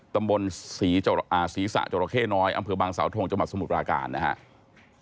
ตำรวจศรีสะจรเข้น้อยอำเภอบางสาวทงจมัติสมุทราการนะครับ